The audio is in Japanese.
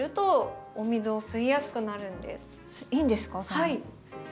はい。